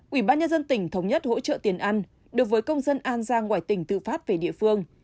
ubnd tỉnh thống nhất hỗ trợ tiền ăn được với công dân an giang ngoài tỉnh tự phát về địa phương